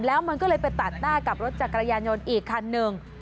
แล้วมันก็เลยไปตัดหน้ากับรถจักรยานยนต์อีกคันหนึ่ง